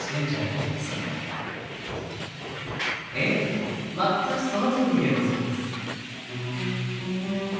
［ええまったくそのとおりでございます］